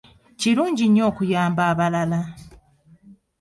Kirungi nnyo okuyamba abalala.